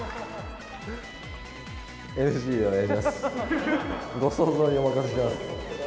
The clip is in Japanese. ＮＧでお願いします。